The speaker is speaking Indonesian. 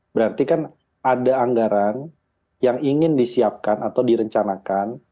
berarti kan ada anggaran yang ingin disiapkan atau direncanakan